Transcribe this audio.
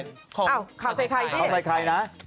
เขาของข่าวสายไข่จะใช่ไหม